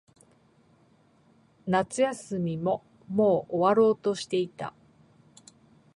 夏休みももう終わろうとしていた。